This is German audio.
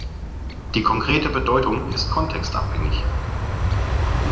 Die konkrete Bedeutung ist kontextabhängig.